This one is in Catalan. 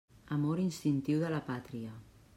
Amor instintiu de la pàtria.